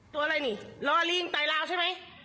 ตัวอะไรนี่ลอลิงไตลาวใช่ไหม